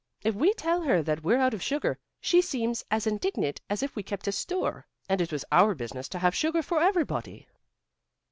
If we tell her that we're out of sugar, she seems as indignant as if we kept a store, and it was our business to have sugar for everybody."